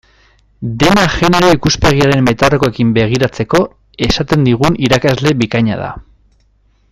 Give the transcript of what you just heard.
Dena genero ikuspegiaren betaurrekoekin begiratzeko esaten digun irakasle bikaina da.